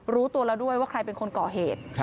รู้ตัวแล้วด้วยว่าใครเป็นคนก่อเหตุ